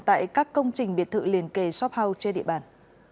tại các công trình biệt thự liền kề shop house trên địa bàn